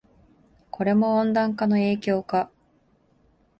これも温暖化の影響か